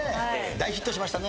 大ヒットしましたね。